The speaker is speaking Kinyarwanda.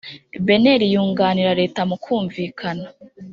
bnr yunganira leta mu kumvikana